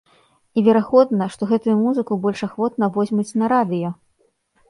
І верагодна, што гэтую музыку больш ахвотна возьмуць на радыё.